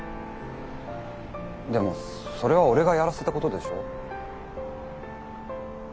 でもそれは俺がやらせたことでしょ。